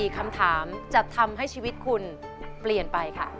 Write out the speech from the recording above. คำถามจะทำให้ชีวิตคุณเปลี่ยนไปค่ะ